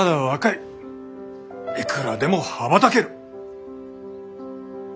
いくらでも羽ばたける！